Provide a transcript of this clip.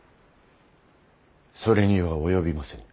それには及びませぬ。